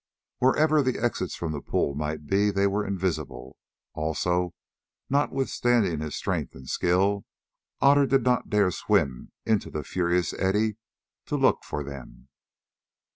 Wherever the exits from the pool might be, they were invisible; also, notwithstanding his strength and skill, Otter did not dare to swim into the furious eddy to look for them.